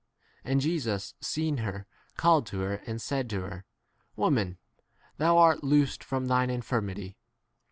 And Jesus seeing her, called to [her], and said to her, Woman, thou art loosed from !3 thine infirmity.